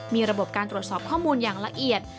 มีระบบการตรวจสอบข้อมูลอย่างละเอียด